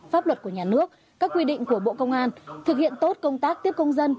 pháp luật của nhà nước các quy định của bộ công an thực hiện tốt công tác tiếp công dân